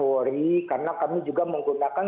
polri karena kami juga menggunakan